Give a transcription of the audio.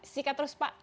sikat terus pak